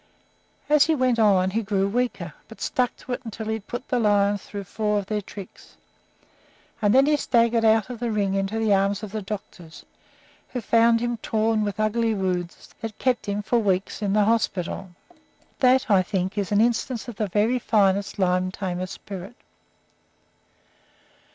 As he went on he grew weaker, but stuck to it until he had put the lions through four of their tricks, and then he staggered out of the ring into the arms of the doctors, who found him torn with ugly wounds that kept him for weeks in the hospital. That, I think, is an instance of the very finest lion tamer spirit.